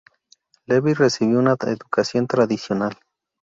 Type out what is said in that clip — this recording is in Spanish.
Levi recibió una educación tradicional.